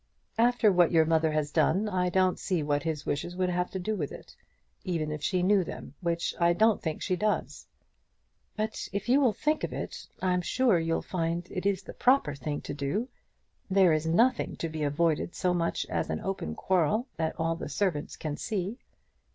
"After what your mother has done, I don't see what his wishes would have to do with it, even if she knew them, which I don't think she does." "But if you will think of it, I'm sure you'll find it is the proper thing to do. There is nothing to be avoided so much as an open quarrel, that all the servants can see."